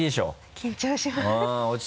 緊張します